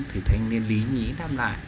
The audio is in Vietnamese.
thì thanh niên lý nghĩ đáp lại